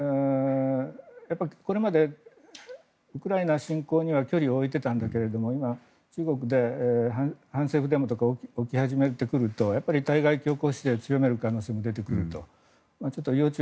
これまでウクライナ侵攻には距離を置いていたんだけど今、中国で反政府デモとか起き始めてくると対外強硬姿勢を強める可能性も出てくると。